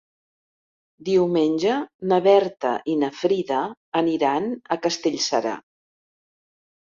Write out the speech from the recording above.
Diumenge na Berta i na Frida aniran a Castellserà.